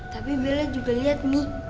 tapi bella juga lihat nih